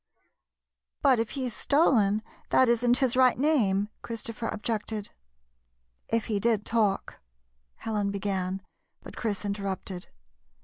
" But, if he is stolen, that is n't his right name," Christopher objected. "If he did talk —" Helen began, but Chris interrupted.